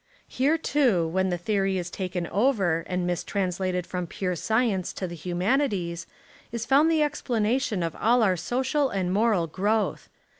Here, too, when the theory is taken over and mis translated from pure science to the human ities, is found the explanation of all our social and moral growth.